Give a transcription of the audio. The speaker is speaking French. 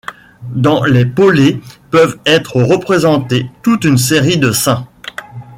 Dans les polés peuvent être représentés toute une série de saints.